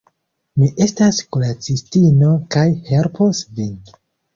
Mi estas kuracistino kaj helpos vin.